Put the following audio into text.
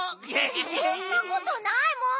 そんなことないもん！